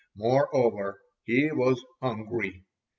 Moreover he was hungry.